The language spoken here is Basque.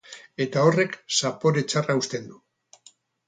Eta horrek zapore txarra uzten du.